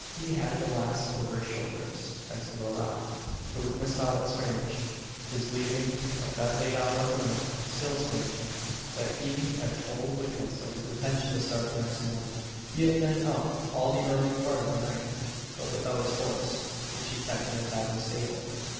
He had the last over his shoulders as he rode off. The witness thought it strange, his leaving at that late hour of the night. Still stranger, that he had told witness of his intention to start the next morning. He had been out all the early part of the night, but without his horse which he kept in the tavern stable.